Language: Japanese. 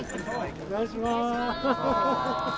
お願いします！